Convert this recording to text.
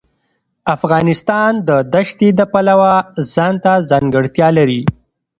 افغانستان د دښتې د پلوه ځانته ځانګړتیا لري.